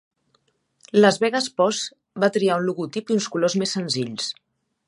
Las Vegas Posse va triar un logotip i uns colors més senzills.